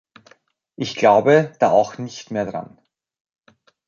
Ich glaube da auch nicht mehr dran.